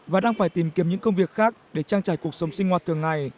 và đang phải tìm kiếm những công việc khác để trang trải cuộc sống sinh hoạt thường ngày